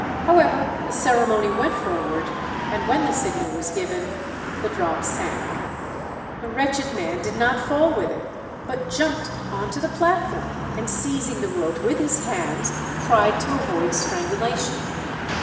However, the ceremony went forward, and when the signal was given the drop sank. The wretched man did not fall with it, but jumped on to the platform, and seizing the rope with his hands, tried to avoid strangulation.